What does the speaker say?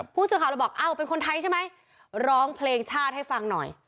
ผู้สื่อข่าวเราบอกอ้าวเป็นคนไทยใช่ไหมร้องเพลงชาติให้ฟังหน่อย